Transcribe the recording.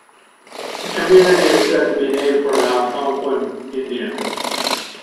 The community is said to be named for an Algonquin Indian.